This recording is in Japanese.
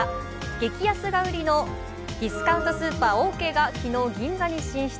劇安が売りのディスカウントスーパー、オーケーが昨日、銀座に進出。